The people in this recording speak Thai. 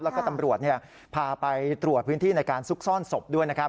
แล้วก็ตำรวจพาไปตรวจพื้นที่ในการซุกซ่อนศพด้วยนะครับ